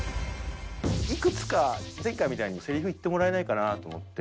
いくつか前回みたいにせりふ言ってもらえないかなと思って。